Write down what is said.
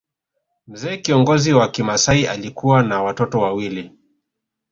Mzee kiongozi wa kimasai alikuwa na watoto wawili